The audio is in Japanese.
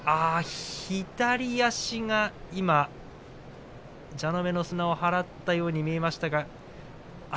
左足が今、蛇の目の砂を払ったように見えましたが。